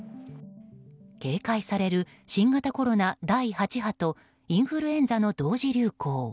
警戒される、新型コロナ第８波とインフルエンザの同時流行。